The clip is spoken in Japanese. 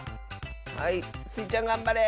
はいスイちゃんがんばれ！